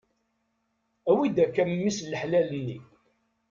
Awi-d akka mmi-s n laḥlal-nni.